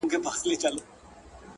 جنګونو او بربادیو زور نه لري